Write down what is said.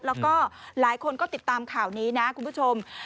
แล้วก็หลายคนก็ติดตามข่าวนี้นะคุณผู้ชม